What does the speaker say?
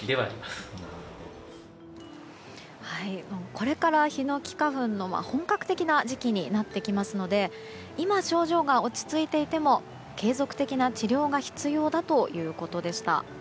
これからヒノキ花粉の本格的な時期になってきますので今、症状が落ち着いていても継続的な治療が必要だということでした。